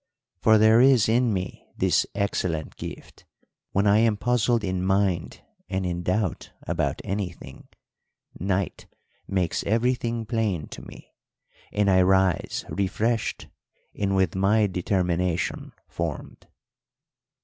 For there is in me this excellent gift, when I am puzzled in mind and in doubt about anything, night makes everything plain to me, and I rise refreshed and with my determination formed."